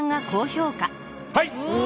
はい。